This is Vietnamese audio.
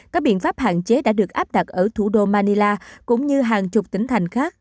các biện pháp hạn chế đã được áp đặt ở thủ đô manila cũng như hàng chục tỉnh thành khác